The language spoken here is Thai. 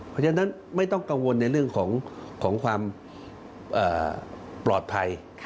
เพราะฉะนั้นไม่ต้องกังวลในเรื่องของความปลอดภัย